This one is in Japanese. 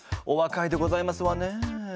おわかいでございますわね。